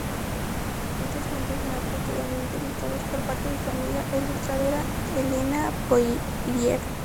Estos cuentos serán posteriormente ilustrados por parte de su amiga e ilustradora Elena Poirier.